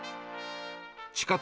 地下鉄